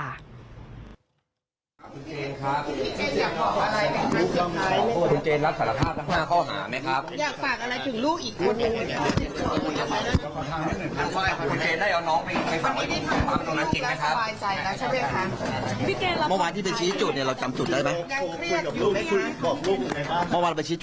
สุดท้ายเธอก้มหน้าก้มตายเงียบไม่พูดไม่ตอบเหมือนเดิมดูบรรยากาศช่วงนี้หน่อยค่ะ